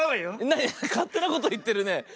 なになにかってなこといってるね。